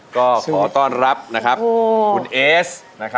ขอต้อนรับนะครับคุณเอซ